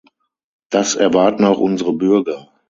Das erwarten auch unsere Bürger.